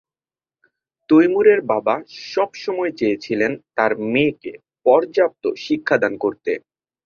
তৈমুরের বাবা সবসময় চেয়েছিলেন তার মেয়েকে পর্যাপ্ত শিক্ষাদান করতে।